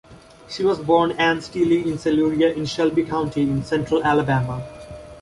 She was born Ann Steely in Siluria in Shelby County in central Alabama.